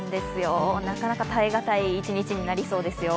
なかなか耐えがたい一日になりそうですよ。